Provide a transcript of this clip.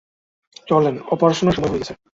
চলেন, অপারেশনের সময় হয়ে গেছে।